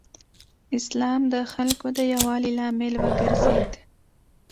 اسلام د خلکو د یووالي لامل وګرځېد.